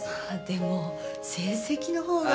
でも成績の方が。